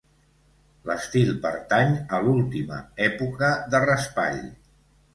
L'estil pertany a l'última època de Raspall.